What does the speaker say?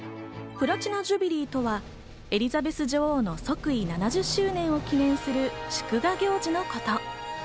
プラチナ・ジュビリーとはエリザベス女王の即位７０周年を記念する祝賀行事のこと。